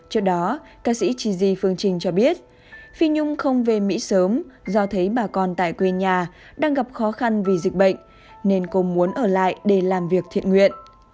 trước đó ca sĩ chi di phương trình cho biết phi nhung không về mỹ sớm do thấy bà con tại quê nhà đang gặp khó khăn vì dịch bệnh nên cô muốn ở lại để làm việc thiện nguyện